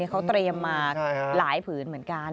เขาเตรียมมาหลายผืนเหมือนกัน